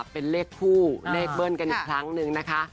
เป็นเลขคู่เลขเบิ้ลกันอีกครั้งนึงนะคะ